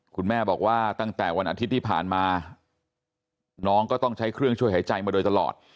คุณแม่บอกว่าตั้งแต่วันอาทิตย์ที่ผ่านมาน้องก็ต้องใช้เครื่องช่วยหายใจมาโดยตลอด